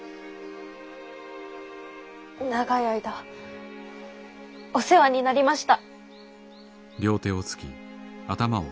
長い間お世話になりました。